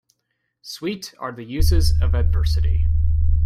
Sweet are the uses of adversity